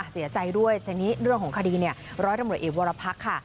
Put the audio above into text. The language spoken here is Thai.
เสียใจด้วยทีนี้เรื่องของคดีเนี่ยร้อยตำรวจเอกวรพรรคค่ะ